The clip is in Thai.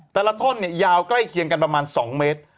แต่ละท่อนเนี่ยยาวใกล้เคียงกันประมาณ๒เมตร